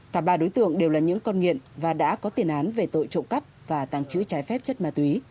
cả ba đối tượng đều là những con nghiện và đã có tiền án về tội trộm cắp và tàng trữ trái phép chất ma túy